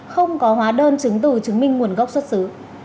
không có hóa đơn chứng từ chứng minh nguồn gốc xuất xứ